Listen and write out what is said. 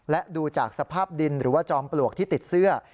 และดูจากสภาพดินหรือว่าจอมปลวกที่ติดเสื้อ